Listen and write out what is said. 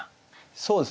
そうですね